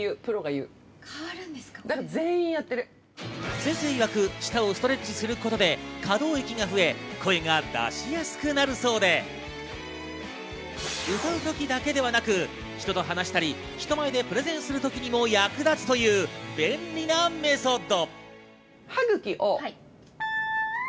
先生いわく舌をストレッチすることで可動域が増え、声が出しやすくなるそうで、歌うときだけではなく人と話したり人前でプレゼンする時にも役立つという便利なメソッド。